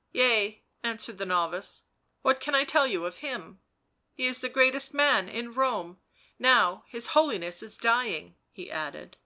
" Yea," answered the novice. " What can I tell you of him? He is the greatest man in Rome — now his Holiness is dying," he added.